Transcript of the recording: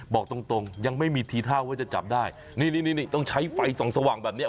บอกตรงตรงยังไม่มีทีท่าว่าจะจับได้นี่นี่ต้องใช้ไฟส่องสว่างแบบนี้